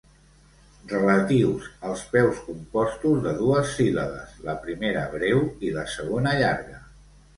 Relatius als peus compostos de dues síl·labes, la primera breu i la segona llarga.